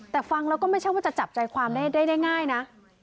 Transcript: แต่ฟังแล้วก็ไม่ใช่ว่าจะจับใจความได้ง่ายนะ